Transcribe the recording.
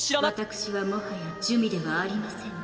私はもはや珠魅ではありません。